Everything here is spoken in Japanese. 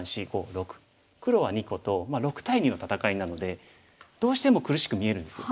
黒は２個と６対２の戦いなのでどうしても苦しく見えるんですよ。